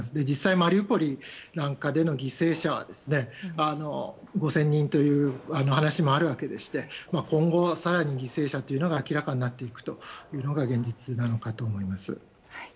実際、マリウポリなんかでの犠牲者は５０００人という話もあるわけでして今後は更に犠牲者というのが明らかになっていくというのが現実なのかと思います。